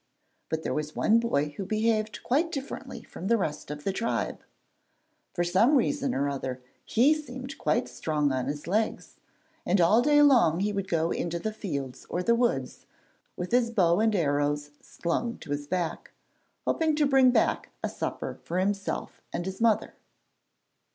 But there was one boy who behaved quite differently from the rest of the tribe. For some reason or other he seemed quite strong on his legs, and all day long he would go into the fields or the woods, with his bow and arrows slung to his back, hoping to bring back a supper for himself and his mother.